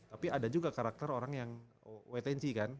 tapi ada juga karakter orang yang wait and see kan